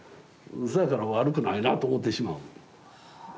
そやから悪くないなと思うてしまう。